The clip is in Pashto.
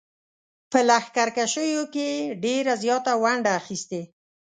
په لښکرکښیو کې یې ډېره زیاته ونډه اخیستې.